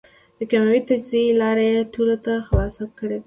د کېمیاوي تجزیې لاره یې ټولو ته خلاصه کړېده.